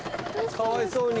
かわいそうに。